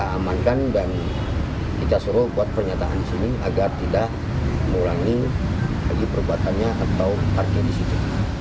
kita amankan dan kita suruh buat pernyataan di sini agar tidak mengurangi lagi perbuatannya atau parkir di situ